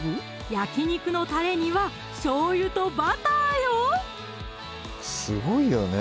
焼肉のたれにはしょうゆとバターよすごいよね